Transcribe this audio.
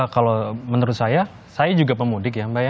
kalau menurut saya saya juga pemudik ya mbak ya